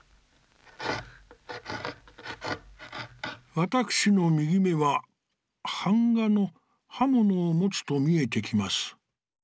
「わたくしの右眼は、板画の刃物を持つと見えてきます。